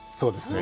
そうですね。